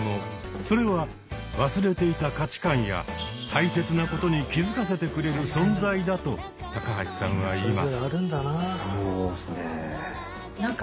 それは忘れていた価値観や大切なことに気づかせてくれる存在だと高橋さんは言います。